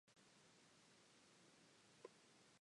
The colour yellow is often associated with victory.